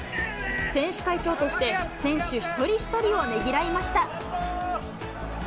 選手会長として選手一人一人をねぎらいました。